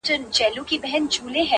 او حتی د استقلال د ګټونکي -